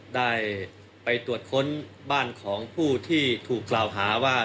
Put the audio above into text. ได้ไปตรวจค้นบ้านของผู้ที่ถูกกล่าวหาว่า